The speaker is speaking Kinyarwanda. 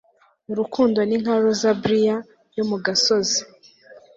urukundo ni nka roza-briar yo mu gasozi